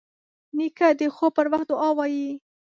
نیکه د خوب پر وخت دعا وايي.